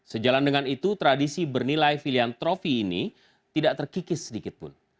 sejalan dengan itu tradisi bernilai filiantrofi ini tidak terkikis sedikitpun